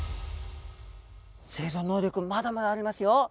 生存能力まだまだありますよ！